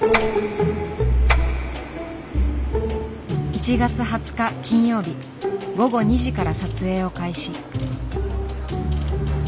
１月２０日金曜日午後２時から撮影を開始。